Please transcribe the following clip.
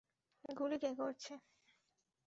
গুলি কে করছে?